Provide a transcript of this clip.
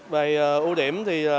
về ưu điểm thì